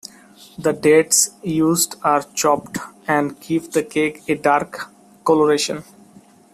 The dates used are chopped, and give the cake a dark coloration.